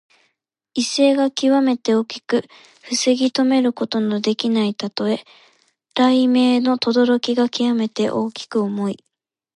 威勢がきわめて大きく防ぎとめることのできないたとえ。雷鳴のとどろきがきわめて大きく重い。